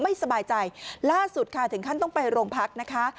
ไม่สบายใจล่าสุดค่ะถึงขั้นต้องไปโรงพักนะคะ